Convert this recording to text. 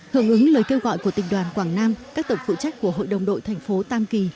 hưởng ứng lời kêu gọi của tỉnh đoàn quảng nam các tổng phụ trách của hội đồng đội thành phố tam kỳ